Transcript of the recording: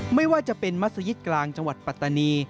ไม่ว่าจะเป็นมัศยิตกลางจังหวัดปัตตานี